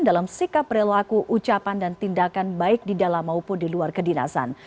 dalam sikap perilaku ucapan dan tindakan baik di dalam maupun di luar kedinasan